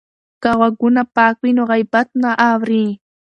که غوږونه پاک وي نو غیبت نه اوري.